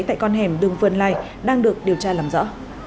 tại con hẻm đường vườn lai đang được điều tra làm rõ